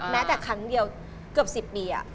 แม้แต่ครั้งเดียวเกือบ๑๐ปี